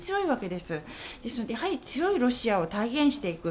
ですので強いロシアを体現していく